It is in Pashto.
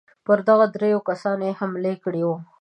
پر دغو درېو کسانو یې حمله کړې وه.